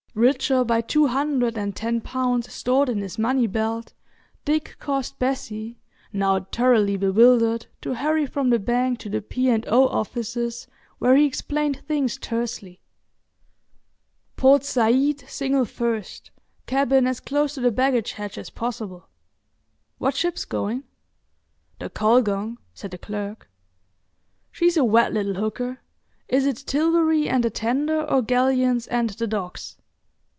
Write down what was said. Richer by two hundred and ten pounds stored in his money belt, Dick caused Bessie, now thoroughly bewildered, to hurry from the bank to the P. and O. offices, where he explained things tersely. "Port Said, single first; cabin as close to the baggage hatch as possible. What ship's going?" "The Colgong," said the clerk. "She's a wet little hooker. Is it Tilbury and a tender, or Galleons and the docks?"